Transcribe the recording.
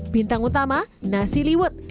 bintang utama nasi liwet